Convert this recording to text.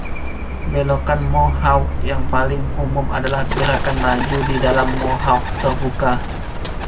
Belokan mohawk yang paling umum adalah Gerakan maju di dalam mohawk terbuka.